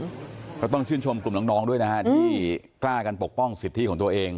ก็ต้องชื่นชมกลุ่มน้องด้วยนะฮะที่กล้ากันปกป้องสิทธิของตัวเอง